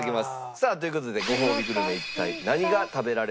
さあという事でごほうびグルメは一体何が食べられるんでしょうか？